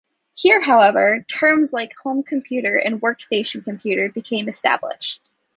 Here however, terms like home computer and workstation computer became established.